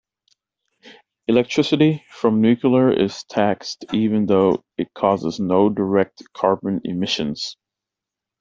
Electricity from nuclear is taxed even though it causes no direct carbon emissions.